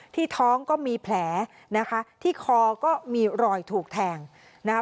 ท้องก็มีแผลนะคะที่คอก็มีรอยถูกแทงนะคะ